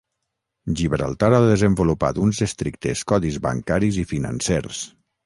Gibraltar ha desenvolupat uns estrictes codis bancaris i financers.